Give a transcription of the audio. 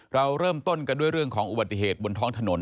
เราเริ่มต้นกันด้วยเรื่องของอุบัติเหตุบนท้องถนน